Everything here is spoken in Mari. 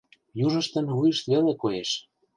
Южыштын вуйышт веле коеш.